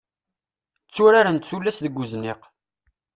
Tturarent tullas deg uzniq.